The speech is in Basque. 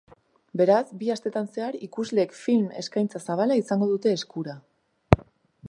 Beraz, bi astetan zehar, ikusleek film eskaintza zabala izango dute eskura.